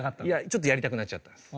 ちょっとやりたくなっちゃったんです。